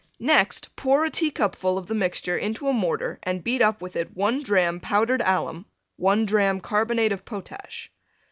Next, pour a teacupful of the mixture into a mortar and beat up with it 1 drachm Powdered Alum, 1 drachm Carbonate of Potash.